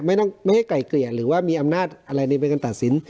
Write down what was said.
ไม่ต้องไม่ให้ไก่เกลี่ยหรือว่ามีอำนาจอะไรในบัญกันตัดสิน